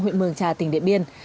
huyện mường trà tỉnh điện biên